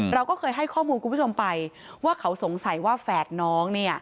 เราก็เคยให้ข้อมูลคุณผู้ชมไปว่าเขาสงสัยว่าแฝดน้องเนี่ย